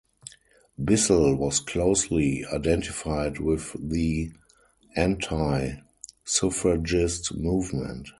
Bissel was closely identified with the anti-suffragist movement.